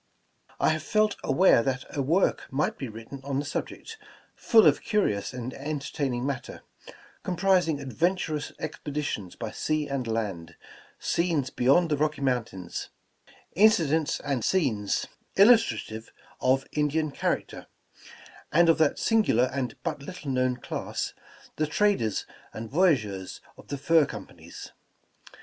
I have felt aware that a work might be written on the subject, full of curious and entertaining matter, comprising adventurous expe ditions by sea and land, scenes beyond the Rocky Moun tains, incidents and scenes illustrative of Indian charac ter, and of that singular and but little known class, the traders and voyageurs of the Fur Companies.